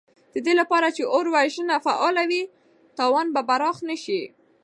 د دې لپاره چې اور وژنه فعاله وي، تاوان به پراخ نه شي.